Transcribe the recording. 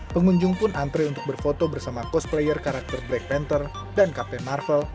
pengunjung pun antre untuk berfoto bersama cosplayer karakter black panther dan kapten marvel